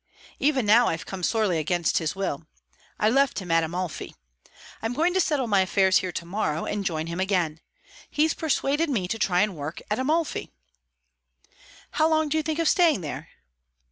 Even now I've come sorely against his will. I left him at Amalfi. I'm going to settle my affairs here to morrow, and join him again. He's persuaded me to try and work at Amalfi." "How long do you think of staying there?"